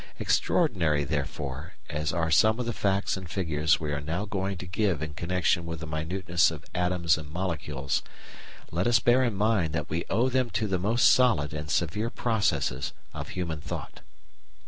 Extraordinary, therefore, as are some of the facts and figures we are now going to give in connection with the minuteness of atoms and molecules, let us bear in mind that we owe them to the most solid and severe processes of human thought.